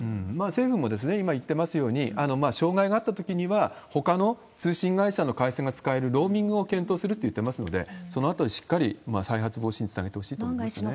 政府も今言っていますように、障害があったときには、ほかの通信会社の回線が使えるローミングを検討するっていってますので、そのあたり、しっかり再発防止につなげてほしいなと思いますね。